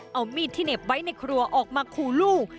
เอามีดที่เหน็บไว้ในครัวออกมาขู่ลูก